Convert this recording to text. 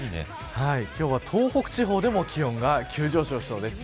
今日は東北地方でも気温が急上昇しそうです。